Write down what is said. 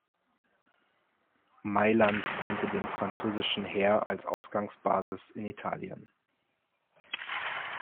Mailand diente dem französischen Heer als Ausgangsbasis in Italien.